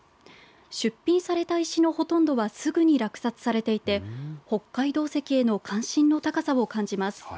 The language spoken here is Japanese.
出品された石のほとんどはすぐに落札されていて北海道石への関心の高さを感じます。